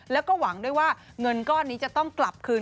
แล้วก็หวังด้วยว่าเงินก้อนนี้จะต้องกลับคืน